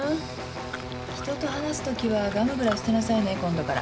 人と話すときはガムぐらい捨てなさいね今度から。